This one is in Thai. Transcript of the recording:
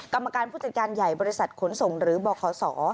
กรรมการผู้จัดการใหญ่บริษัทขนส่งหรือบข